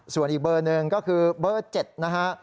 ส่วนอีกเบอร์หนึ่งก็คือเบอร์๗นะฮะ